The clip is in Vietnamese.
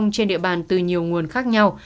trên địa bàn từ nhiều nguồn khác nhau